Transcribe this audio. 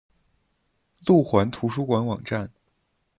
路环图书馆网站